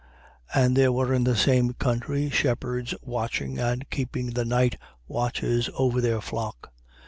And there were in the same country shepherds watching and keeping the night watches over their flock.